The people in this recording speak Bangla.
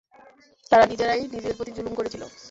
তারা নিজেরাই নিজেদের প্রতি জুলুম করেছিল।